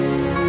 ya udah rom